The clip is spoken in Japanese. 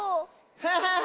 ハハハハ！